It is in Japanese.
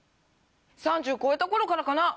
３０超えた頃からかな。